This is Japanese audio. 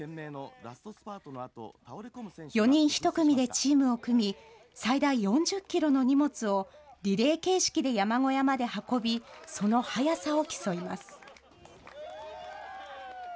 ４人１組でチームを組み最大４０ｋｇの荷物をリレー形式で山小屋まで運びその速さを競います。